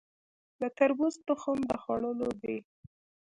د تربوز تخم د خوړلو دی؟